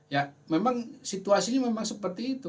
ya memang situasinya memang seperti itu